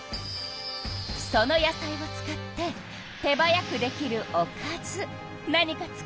その野菜を使って手早くできるおかず何か作って。